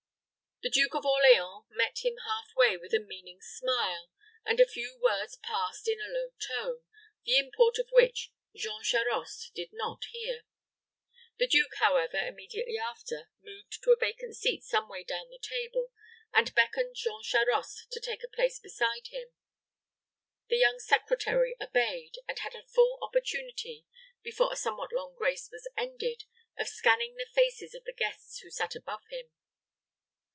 The Duke of Orleans met him half way with a meaning smile, and a few words passed in a low tone, the import of which Jean Charost did not hear. The duke, however, immediately after, moved to a vacant seat some way down the table, and beckoned Jean Charost to take a place beside him. The young secretary obeyed, and had a full opportunity, before a somewhat long grace was ended, of scanning the faces of the guests who sat above him.